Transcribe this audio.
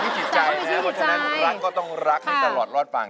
ต้องมีชีวิตใจนะครับเพราะฉะนั้นรักก็ต้องรักให้ตลอดรอดฝั่ง